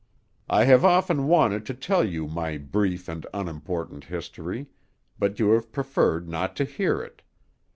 I have often wanted to tell you my brief and unimportant history; but you have preferred not to hear it.